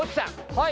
はい。